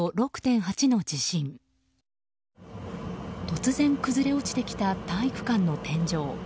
突然崩れ落ちてきた体育館の天井。